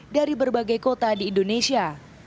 dari berbagai kota di indonesia